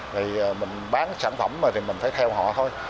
thì mình bán sản phẩm mà thì mình phải theo họ thôi